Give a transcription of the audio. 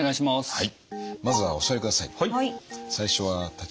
はい。